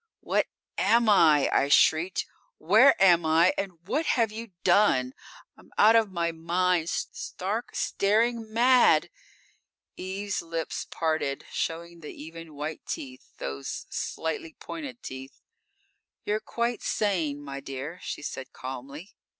"What am I?" I shrieked. "Where am I and what have You done? I'm out of my mind; stark, staring mad!" Eve's lips parted, showing the even white teeth those slightly pointed teeth. _"You're quite sane, my dear," She said calmly.